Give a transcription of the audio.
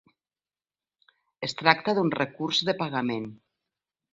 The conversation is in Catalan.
Es tracta d'un recurs de pagament.